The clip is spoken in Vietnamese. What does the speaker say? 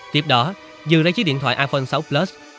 tiếp đó dư lấy chiếc điện thoại iphone sáu plus